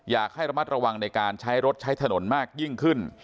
อยากให้ระมัดระวังในการใช้รถใช้ถนนมากยิ่งขึ้น